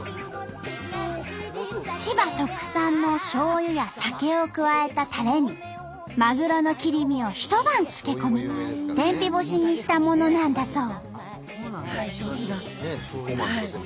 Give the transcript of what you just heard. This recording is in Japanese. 千葉特産のしょうゆや酒を加えたたれにまぐろの切り身を一晩漬け込み天日干しにしたものなんだそう。